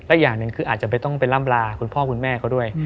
อย่างหนึ่งคืออาจจะไม่ต้องไปล่ำลาคุณพ่อคุณแม่เขาด้วย